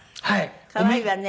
可愛いわね。